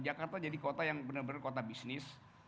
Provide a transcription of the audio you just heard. jakarta jadi kota yang benar benar kota bisnis